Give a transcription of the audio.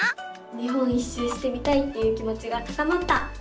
日本一周してみたいっていう気もちが高まった！